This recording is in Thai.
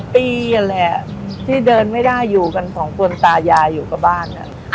๒ปีแหละที่เดินไม่ได้อยู่กัน๒ปุ่นตายาอยู่กับบ้านอ่ะ